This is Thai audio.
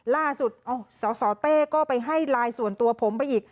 ล่าสุดสสเต้ก็ไปให้ไลน์ส่วนตัวผมไปอีก